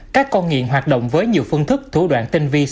các con nghiện hoạt động với nhiều phần